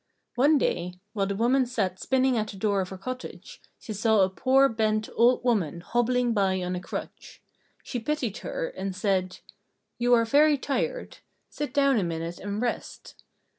One day, while the mother sat spinning at the door of her cottage, she saw a poor, bent, old woman hobbling by on a crutch. She pitied her, and said: "You are very tired. Sit down a minute and rest."